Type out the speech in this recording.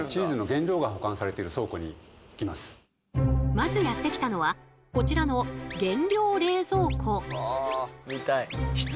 まずやって来たのはこちらの原料冷蔵庫。